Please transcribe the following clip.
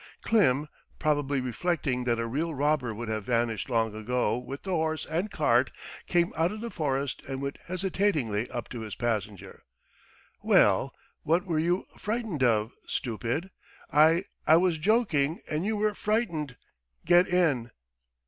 Klim, probably reflecting that a real robber would have vanished long ago with the horse and cart, came out of the forest and went hesitatingly up to his passenger. "Well, what were you frightened of, stupid? I ... I was joking and you were frightened. Get in!"